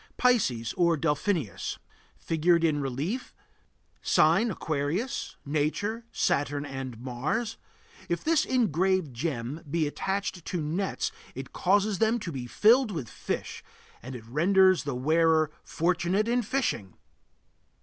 PISCES or DELPHINUS. Figured in relief (?) Sign: Aquarius. Nature: Saturn and Mars. If this engraved gem be attached to nets it causes them to be filled with fish, and it renders the wearer fortunate in fishing.